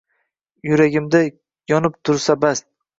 Yuragimda yonib tursa bas